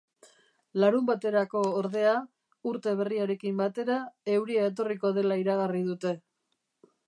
Larunbaterako, ordea, urte berriarekin batera, euria etorriko dela iragarri dute.